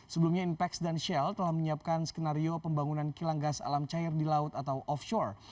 sebelumnya inpex dan shell telah menyiapkan skenario pembangunan kilang gas alam cair di laut atau offshore